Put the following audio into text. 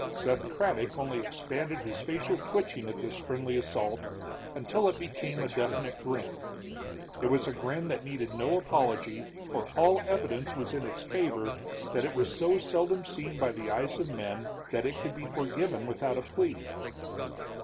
Seth Craddock only expanded his facial twitching at this friendly assault until it became a definite grin. It was a grin that needed no apology, for all evidence was in its favor that it was so seldom seen by the eyes of men that it could be forgiven without a plea.